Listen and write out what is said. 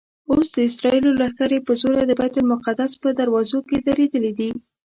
اوس د اسرائیلو لښکرې په زوره د بیت المقدس په دروازو کې درېدلي دي.